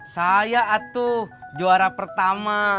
saya atuh juara pertama